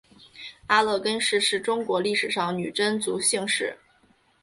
阿勒根氏是中国历史上女真族姓氏。